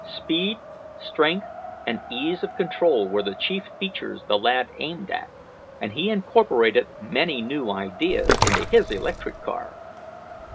Speed, strength and ease of control were the chief features the lad aimed at, and he incorporated many new ideas into his electric car.